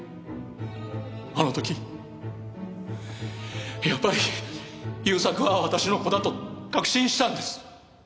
あの時やっぱり勇作は私の子だと確信したんです。